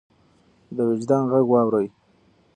د وجدان غږ واورئ.